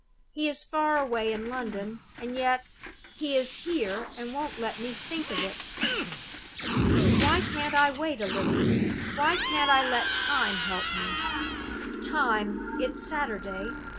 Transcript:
He is far away in London; and yet, he is here and won't let me think of it! "Why can't I wait a little? Why can't I let Time help me? Time? It's Saturday!